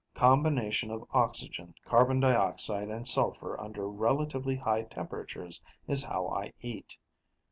"Combination of oxygen, carbon dioxide, and sulfur under relatively high temperature is how I eat.